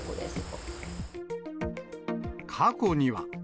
過去には。